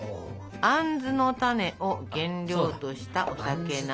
あんずの種を原料としたお酒なんです。